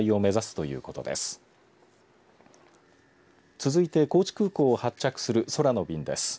続いて高知空港を発着する空の便です。